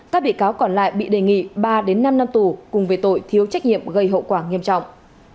các bị cáo còn lại bị đề nghị ba năm năm tù cùng về tội thiếu trách nhiệm gây hậu quả nghiêm trọng